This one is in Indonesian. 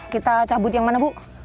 kita cabut yang mana bu